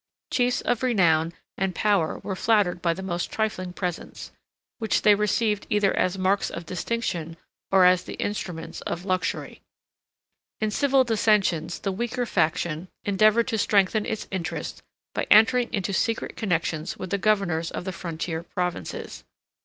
Chiefs of renown and power were flattered by the most trifling presents, which they received either as marks of distinction, or as the instruments of luxury. In civil dissensions the weaker faction endeavored to strengthen its interest by entering into secret connections with the governors of the frontier provinces.